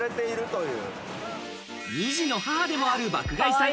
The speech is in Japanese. ２児の母でもある爆買いさん。